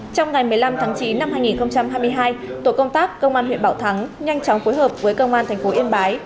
trong ngày một mươi năm tháng chín năm hai nghìn hai mươi hai tổ công tác công an huyện bảo thắng nhanh chóng phối hợp với công an tp yên bái